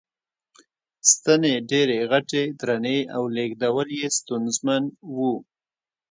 ستنې ډېرې غټې، درنې او لېږدول یې ستونزمن و.